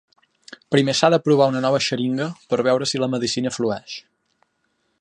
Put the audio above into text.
Primer s'ha de provar una nova xeringa per veure si la medicina flueix.